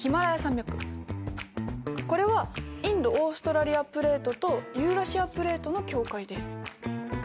これはインド・オーストラリアプレートとユーラシアプレートの境界です。